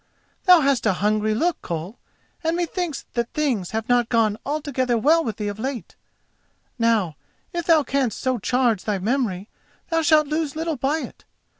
Thou hast a hungry look, Koll, and methinks that things have not gone altogether well with thee of late. Now, if thou canst so charge thy memory, thou shalt lose little by it.